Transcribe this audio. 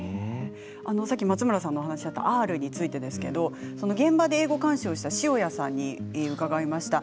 さっき松村さんの話Ｒについてですが現場で英語監修をした塩屋さんに伺いました。